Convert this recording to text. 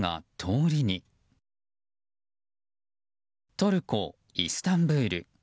トルコ・イスタンブール。